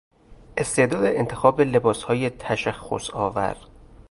استعداد انتخاب لباسهای تشخصآور